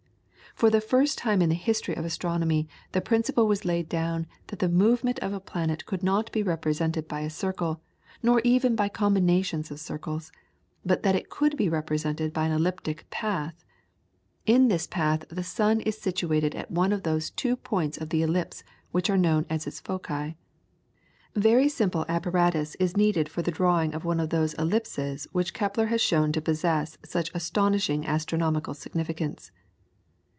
For the first time in the history of astronomy the principle was laid down that the movement of a planet could not be represented by a circle, nor even by combinations of circles, but that it could be represented by an elliptic path. In this path the sun is situated at one of those two points in the ellipse which are known as its foci. [PLATE: KEPLER.] Very simple apparatus is needed for the drawing of one of those ellipses which Kepler has shown to possess such astonishing astronomical significance.